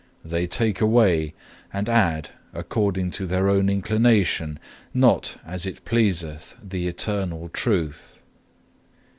They take away and add according to their own inclination, not as it pleaseth the Eternal Truth.